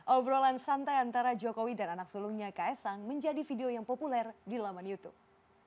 obrolan santai antara jokowi dan anak sulungnya ks sang menjadi video yang populer di laman youtube